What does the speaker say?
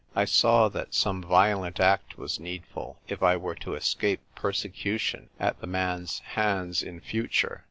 I saw that some violent act was needful if I were to escape persecution at the man's hands in future.